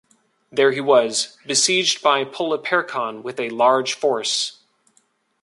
There he was besieged by Polyperchon with a large force.